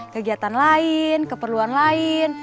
kegiatan lain keperluan lain